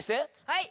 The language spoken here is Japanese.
はい。